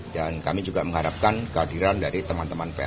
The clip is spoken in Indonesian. dan kami juga mengharapkan kehadiran dari teman teman pers